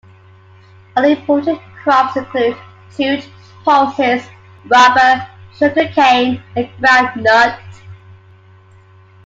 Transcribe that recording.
Other important crops include jute, pulses, rubber, sugarcane, and groundnut.